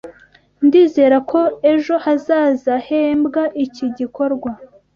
Ndizera ko ejo hazazahembwa iki gikorwa.